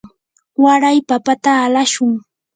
waray papata alashun.